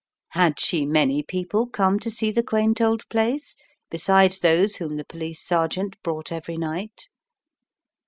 Had she many people come to see the quaint old place beside those whom the police sergeant brought every night?